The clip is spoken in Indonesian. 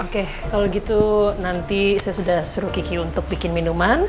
oke kalau gitu nanti saya sudah suruh kiki untuk bikin minuman